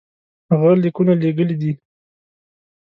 هغه لیکونه لېږلي دي.